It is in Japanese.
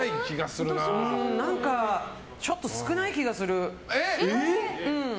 ちょっと少ない気がする。